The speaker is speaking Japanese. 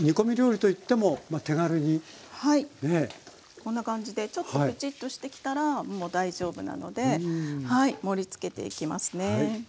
こんな感じでちょっとプチッとしてきたらもう大丈夫なのではい盛りつけていきますね。